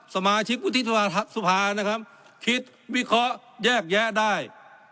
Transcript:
สมาชิกวุฒิสภานะครับคิดวิเคราะห์แยกแยะได้